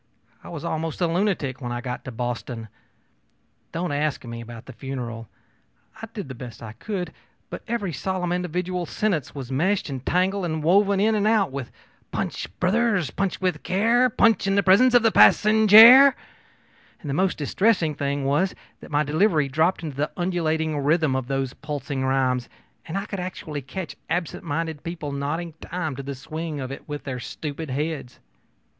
I was almost a lunatic when I got to Boston. Don't ask me about the funeral. I did the best I could, but every solemn individual sentence was meshed and tangled and woven in and out with 'Punch, brothers, punch with care, punch in the presence of the passenjare.' And the most distressing thing was that my delivery dropped into the undulating rhythm of those pulsing rhymes, and I could actually catch absent minded people nodding time to the swing of it with their stupid heads.